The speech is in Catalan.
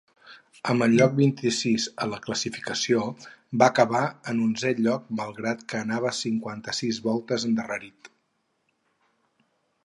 Amb el lloc vint-i-sis a la classificació, va acabar en onzè lloc malgrat que anava cinquanta-sis voltes endarrerit.